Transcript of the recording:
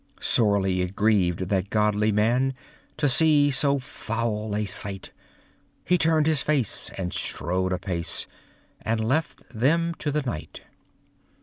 Sorely it grieved that godly man, To see so foul a sight, He turned his face, and strode apace, And left them to the night.